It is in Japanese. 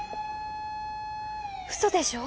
嘘でしょ！